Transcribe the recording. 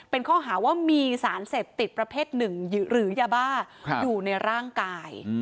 เป็นข้อหาว่ามีสารเสพติดประเภทหนึ่งหรือยาบ้าอยู่ในร่างกาย